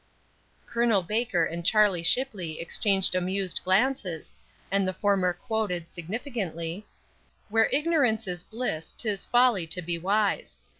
Col. Baker and Charlie Shipley exchanged amused glances, and the former quoted, significantly: "Where ignorance is bliss, 'tis folly to be wise."